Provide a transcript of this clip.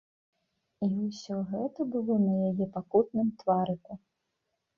І ўсё гэта было на яе пакутным тварыку.